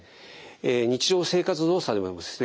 日常生活動作でもですね